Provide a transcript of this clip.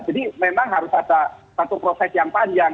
jadi memang harus ada satu proses yang panjang